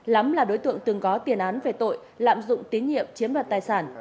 lắm là đối tượng từng có tiền án về tội lạm dụng tín nhiệm chiếm đoạt tài sản